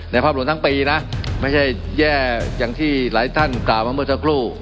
ภาพรวมทั้งปีนะไม่ใช่แย่อย่างที่หลายท่านกล่าวมาเมื่อสักครู่